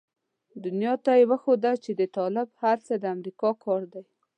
دنيا ته يې وښوده چې د طالب هر څه د امريکا کار دی.